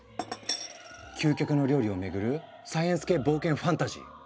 究極の料理をめぐるサイエンス系冒険ファンタジー。